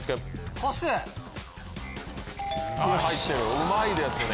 うまいですね。